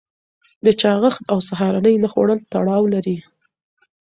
د چاغښت او سهارنۍ نه خوړل تړاو لري.